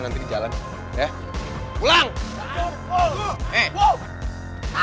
udah mendingan kalian pulang ya